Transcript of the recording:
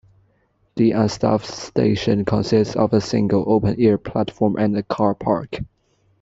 The unstaffed station consists of a single open-air platform and a car park.